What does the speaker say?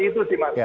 seperti itu sih mas